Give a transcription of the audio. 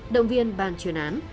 động viên bàn truyền án